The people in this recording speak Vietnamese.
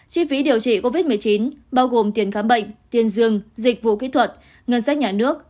chi phí điều trị covid một mươi chín bao gồm tiền khám bệnh tiền dương dịch vụ kỹ thuật ngân sách nhà nước